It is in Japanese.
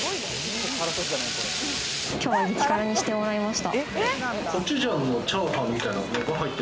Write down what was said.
今日は激辛にしてもらいました。